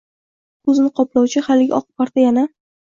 Shu onda ko‘zni qoplovchi haligi oq parda yana